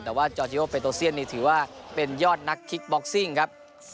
แต่ว่าจอร์จิโอเปโตเซียนนี่ถือว่าเป็นยอดนักคิกบ็อกซิ่งครับ